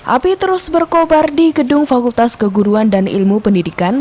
api terus berkobar di gedung fakultas keguruan dan ilmu pendidikan